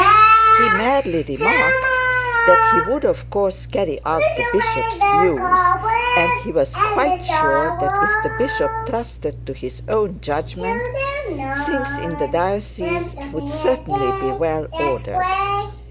He merely remarked that he would of course carry out the bishop's views, and that he was quite sure that if the bishop trusted to his own judgment things in the diocese would certainly be well ordered.